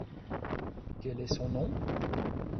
Quel est son nom ?